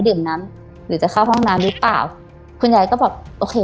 ดื่มน้ำหรือจะเข้าห้องน้ำหรือเปล่าคุณยายก็บอกโอเค